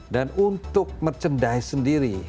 dan untuk merchandise sendiri